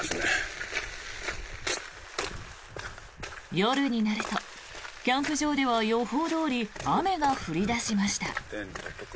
夜になるとキャンプ場では予報どおり雨が降り始めました。